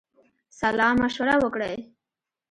سلامشوره وکړی.